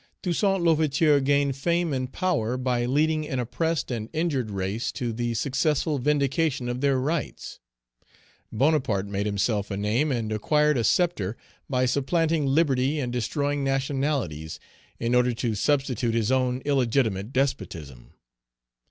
Toussaint L'Ouverture gained fame and power by leading an oppressed and injured race to the successful vindication of their rights; Bonaparte made himself a name and acquired a sceptre by supplanting liberty and destroying nationalities, in order to substitute his own illegitimate despotism.